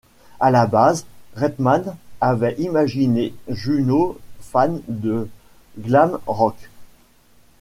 À la base, Reitman avait imaginé Juno fan de glam rock.